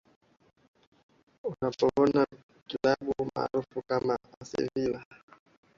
unapoona klabu maarufu kama acvilla